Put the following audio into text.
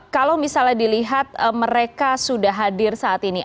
kalau misalnya dilihat mereka sudah hadir saat ini